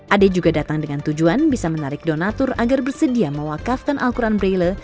ade juga datang dengan tujuan bisa menarik donatur agar bersedia mewakafkan al quran braille